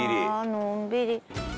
のんびり。